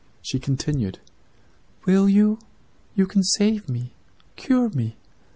"She continued: "'Will you? You can save me, cure me.